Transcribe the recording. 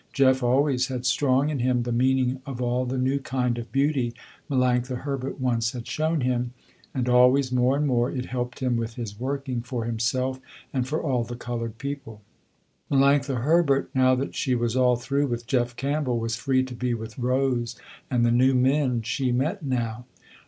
Jeff always had strong in him the meaning of all the new kind of beauty Melanctha Herbert once had shown him, and always more and more it helped him with his working for himself and for all the colored people. Melanctha Herbert, now that she was all through with Jeff Campbell, was free to be with Rose and the new men she met now.